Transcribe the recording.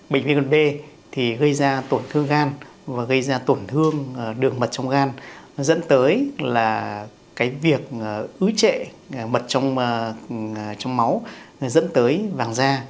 bệnh viêm gan b thì gây ra tổn thương gan và gây ra tổn thương đường mật trong gan dẫn tới là cái việc ứ trệ mật trong máu dẫn tới vàng da